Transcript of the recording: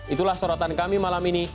itulah sorotan kami malam ini